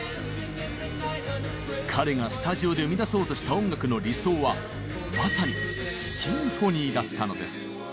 彼がスタジオで生み出そうとした音楽の理想はまさにシンフォニーだったのです。